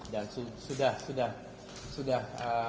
dan sudah sudah sudah